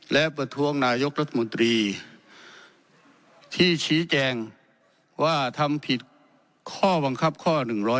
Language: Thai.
และประทรวงนายกรสมนุษย์ที่ชี้แจงว่าทำผิดข้อบังคับข้อหนึ่งร้อย